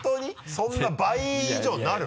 そんな倍以上になる？